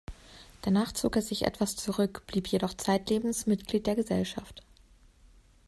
Danach zog er sich etwas zurück, blieb jedoch zeitlebens Mitglied der Gesellschaft.